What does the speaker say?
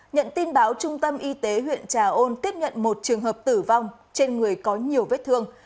nhận tin báo trung tâm y tế huyện trà ôn tiếp nhận một trường hợp tử vong trên người có nhiều vết thương